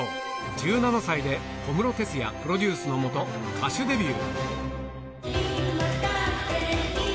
１７歳で、小室哲哉プロデュースのもと歌手デビュー。